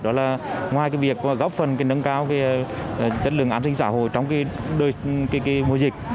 đó là ngoài việc góp phần nâng cao chất lượng an sinh xã hội trong mùa dịch